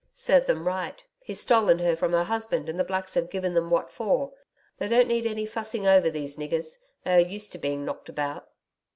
'Serve them right. He's stolen her from her husband and the Blacks have given them what for. They don't need any fussing over, these niggers. They are used to being knocked about.'